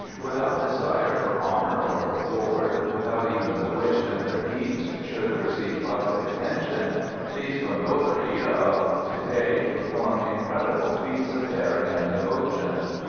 Without desire for honour or reward, without even the wish that their deeds should receive public attention, these condotieri of to day perform incredible feats of daring and devotion.